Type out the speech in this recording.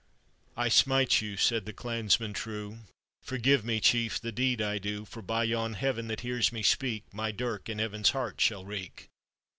" I smite you," said the clansman true ;" Forgive me, chief, the deed I do! For by yon Heaven that hears me speak, My dirk in Evan's heart shall reek."